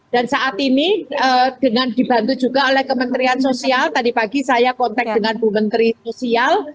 dan saat ini dengan dibantu juga oleh kementerian sosial tadi pagi saya kontak dengan bumenteri sosial